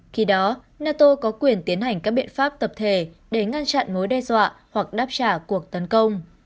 khi đó nato có quyền tiến hành các biện pháp tập thể để ngăn chặn mối đe dọa hoặc đáp trả cuộc tấn công